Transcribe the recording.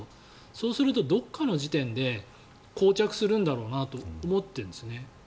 そうするとどこかの時点でこう着するんだろうなと思っているんですね。